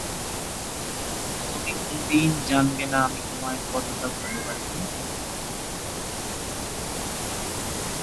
পরবর্তীকালে তিনি নিজেই এ প্রতিষ্ঠানের মালিকানা স্বত্ত্ব লাভ করেন এবং খুবই ধনী লোকে পরিণত হন।